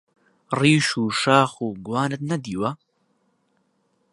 ڕیش و شاخ و گوانت نەدیوە؟!